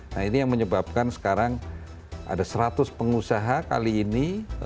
nah ini yang menyebabkan sekarang ada seratus pengusaha kali ini